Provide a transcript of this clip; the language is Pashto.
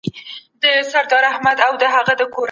لوړې او ټیټې غونډۍ پکې لیدل کېږي.